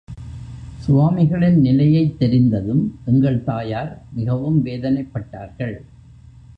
சுவாமிகளின் நிலையைத் தெரிந்ததும் எங்கள் தாயார் மிகவும் வேதனைப்பட்டார்கள்.